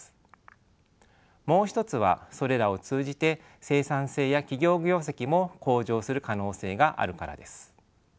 もう一つはそれらを通じて生産性や企業業績も向上する可能性があるからです。